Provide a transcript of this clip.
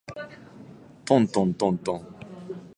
とんとんとんとん